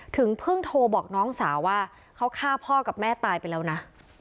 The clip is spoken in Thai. ถึงเพิ่งโทรบอกน้องสาวว่าเขาฆ่าพ่อกับแม่ตายไปแล้วนะ